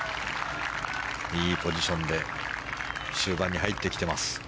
いいポジションで終盤に入ってきてます。